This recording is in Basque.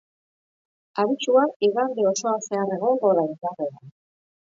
Abisua igande osoan zehar egongo da indarrean.